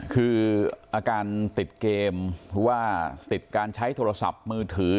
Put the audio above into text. คือการติดเกมปิดการใช้โทรศัพท์มือถือ